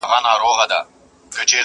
زما له میني لوی ښارونه لمبه کیږي!